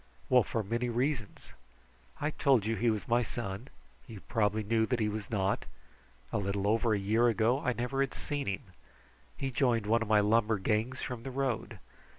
Well, for many reasons! I told you he was my son. You probably knew that he was not. A little over a year ago I never had seen him. He joined one of my lumber gangs from the road.